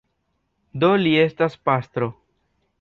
Do li estas pastro.